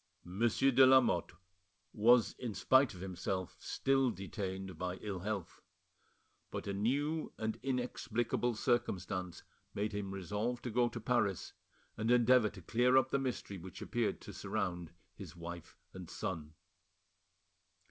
Monsieur de Lamotte was, in spite of himself, still detained by ill health. But a new and inexplicable circumstance made him resolve to go to Paris and endeavour to clear up the mystery which appeared to surround his wife and son.